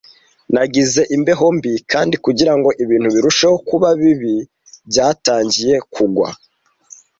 Nagize imbeho mbi, kandi kugirango ibintu birusheho kuba bibi, byatangiye kugwa.